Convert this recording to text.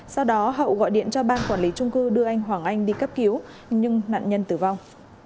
sau đó hậu gọi điện cho ban quản lý trung cư đưa anh hoàng anh đi cấp cứu nhưng nạn nhân tử vong